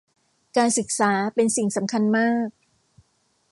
การศึกษาเป็นสิ่งสำคัญมาก